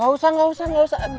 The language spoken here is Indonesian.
gak usah gak usah gak usah